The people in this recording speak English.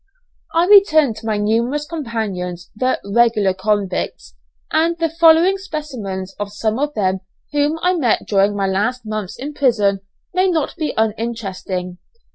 I return to my numerous companions, the "regular" convicts, and the following specimens of some of them whom I met during my last months in prison may not be uninteresting.